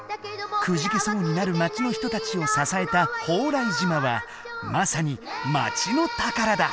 くじけそうになる町の人たちをささえた蓬莱島はまさに町の宝だ。